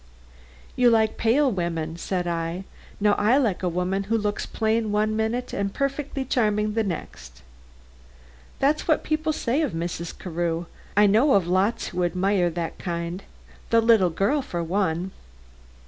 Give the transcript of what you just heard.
"You like pale women," said I. "Now I like a woman who looks plain one minute, and perfectly charming the next." "That's what people say of Mrs. Carew. I know of lots who admire that kind. The little girl for one."